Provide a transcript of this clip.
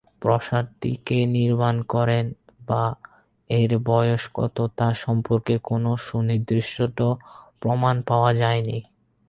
প্রাসাদটি কে নির্মাণ করেন বা এর বয়স কত তা সম্পর্কে কোনো সুনির্দিষ্ট প্রমাণ পাওয়া যায়নি।